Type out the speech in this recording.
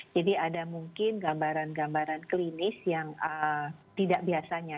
jadi ada mungkin gambaran gambaran klinis yang tidak biasanya